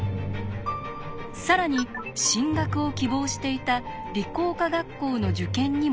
更に進学を希望していた理工科学校の受験にも失敗。